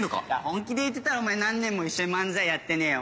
本気で言ってたらお前何年も一緒に漫才やってねえよ